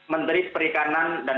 menteri perikanan dan